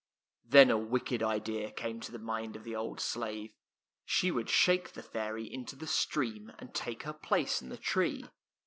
Then a wicked idea came to the mind of the old slave. She would shake the fairy into the stream and take her place in the tree.